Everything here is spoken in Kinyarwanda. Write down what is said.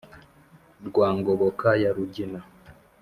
Rwa ngoboka ya rugina